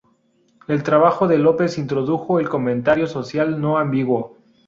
El trabajo de López introdujo el comentario social no ambiguo.